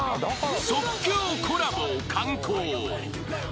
［即興コラボを敢行］